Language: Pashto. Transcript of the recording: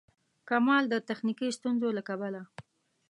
کمال د تخنیکي ستونزو له کبله.